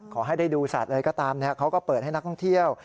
ขอให้ได้ดูสัตว์อะไรก็ตามเขาก็เปิดให้นักท่องเที่ยว